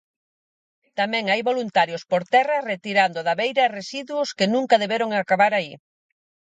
Tamén hai voluntarios por terra retirando da beira residuos que nunca deberon acabar aí.